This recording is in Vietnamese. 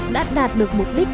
đã đạt được mục đích